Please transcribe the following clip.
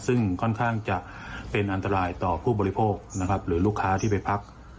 ซึ่งค่อนข้างจะเป็นอันตรายต่อผู้บริโภคนะครับหรือลูกค้าที่ไปพัก